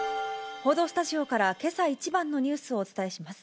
報道スタジオから、けさ一番のニュースをお伝えします。